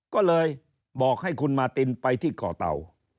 ก็เลยบอกให้คุณมาตินไปที่ก่อเตา